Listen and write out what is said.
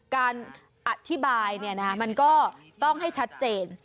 การอธิบายเนี่ยนะมันก็ต้องให้ชัดเจน